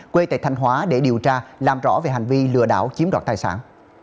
quê tại thanh hóa để điều tra làm rõ về hành vi lừa đảo chiếm đoạt tài sản